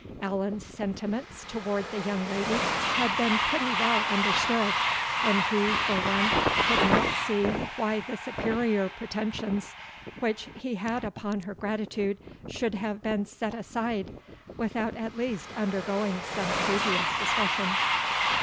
Allan's sentiments towards the young lady had been pretty well understood, and he, for one, could not see why the superior pretensions which he had upon her gratitude should have been set aside, without at least undergoing some previous discussion."